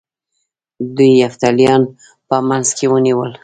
دوی یفتلیان په منځ کې ونیول